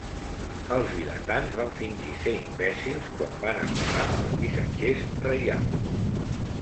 Els vilatans van fingir ser imbècils quan van arribar els missatgers reials.